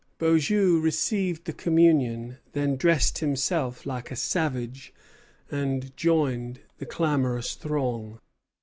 Beaujeu received the communion, then dressed himself like a savage, and joined the clamorous throng.